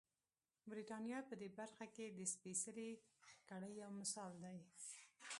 برېټانیا په دې برخه کې د سپېڅلې کړۍ یو مثال دی.